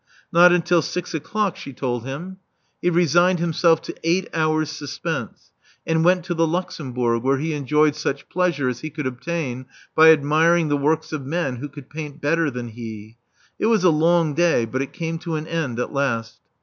Not until six o'clock, she told 374 Love Among the Artists him. He resigned himself to eight hours' suspense, and went to the Luxembourg, where he enjoyed such pleasure as he could obtain by admiring the works of men who could paint better than he. It was a long day ; but it came to an end at last.